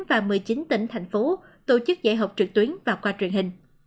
và một mươi chín tỉnh thành phố tổ chức dạy học trực tuyến và qua truyền hình